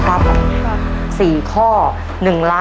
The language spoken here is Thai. ขอบคุณค่ะ